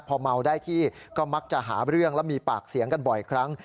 พอเมาได้ที่ก็มักจะหาเรื่องแล้วมีปากเสียงกันบ่อยครั้ง